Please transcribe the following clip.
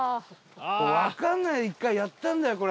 わかんないで１回やったんだよ、これ。